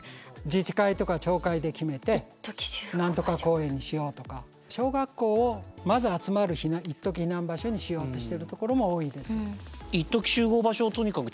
自治会とか町会で決めて何とか公園にしようとか小学校をまず集まる一時避難場所にしようとしてるところも多いです。